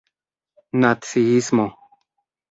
naciismo